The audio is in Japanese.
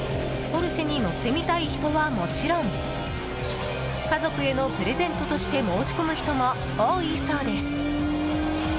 ポルシェに乗ってみたい人はもちろん家族へのプレゼントとして申し込む人も多いそうです。